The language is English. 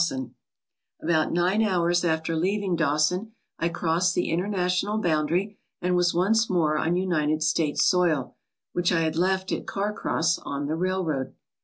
ALASKA OUR NORTHERN WONDERLAND About nine hours after leaving Dawson I crossed the inter national boundary and was once more on United States soil, which I had left at Carcross on the railroad.